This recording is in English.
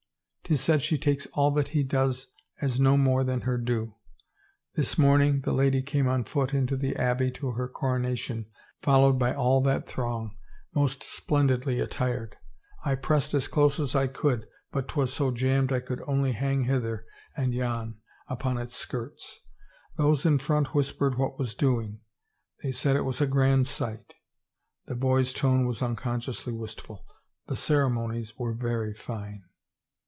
'Tis said she takes all that he does as no more than her due. ... This morning the lady came on foot into the Abbey to her coronation followed by all that throng, most splendidly attired. I pressed as close as I could but 'twas so jammed I could only hang hither and yon on 260 HAPPIEST OF WOMEN its skirts. Those in front whispered what was doing. They said it was a grand sight." The boy's tone was unconsciously wistful. "The ceremonies were very fine."